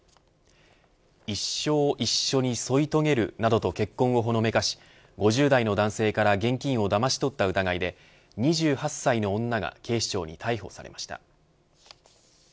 一生一緒に添い遂げるなどと結婚をほのめかし５０代の男性から現金をだまし取った疑いで２８歳の女が警視庁に逮捕されました。